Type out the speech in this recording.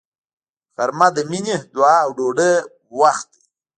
غرمه د مینې، دعا او ډوډۍ وخت دی